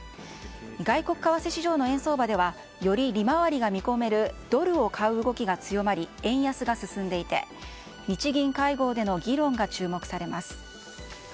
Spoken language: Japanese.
外国為替市場の円相場ではより利回りが見込めるドルを買う動きが強まり円安が続いていて日銀会合での議論が注目されます。